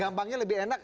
gampangnya lebih enak sih